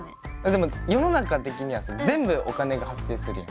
でも世の中的にはさ全部お金が発生するじゃん。